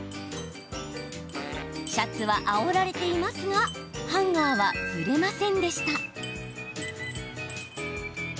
シャツはあおられていますがハンガーは、ずれませんでした。